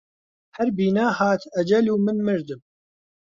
هەر بینا هات ئەجەل و من مردم